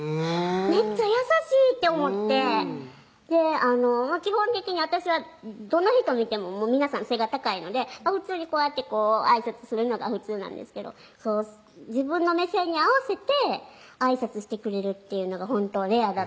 めっちゃ優しいって思って基本的に私はどの人見ても皆さん背が高いので普通にこうやってあいさつするのが普通なんですが自分の目線に合わせてあいさつしてくれるっていうのがほんとレアだったので